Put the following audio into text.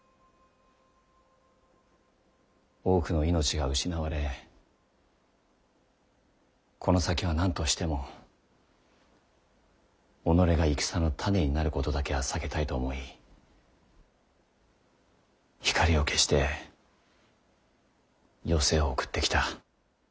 多くの命が失われこの先は何としても己が戦の種になることだけは避けたいと思い光を消して余生を送ってきた。